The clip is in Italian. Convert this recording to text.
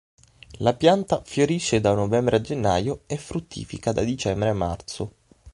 La pianta fiorisce da novembre a gennaio e fruttifica da dicembre a marzo.